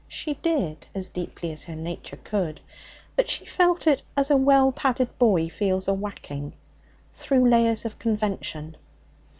She did, as deeply as her nature could. But she felt it, as a well padded boy feels a whacking, through layers of convention.